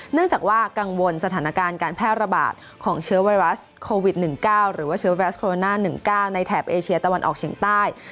เนื่องจากว่ากังวลสถานการณ์การแพร่ระบาดของเชื้อไวรัสโควิด๑๙หรือว่าเชื้อไวรัสโคโรนา๑๙ในแถบเอเชียตะวันออกเฉียงใต้